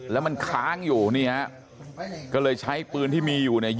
แล้วมันค้างอยู่นี่ฮะก็เลยใช้ปืนที่มีอยู่เนี่ย